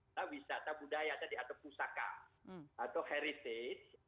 atau wisata budaya tadi atau pusaka atau heritage